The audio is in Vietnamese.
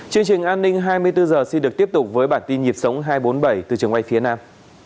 chương trình an ninh hai mươi bốn h xin được tiếp tục với bản tin nhịp sống hai trăm bốn mươi bảy từ trường quay phía nam